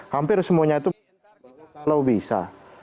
hampir semuanya itu kalau bisa